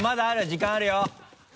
時間あるよ。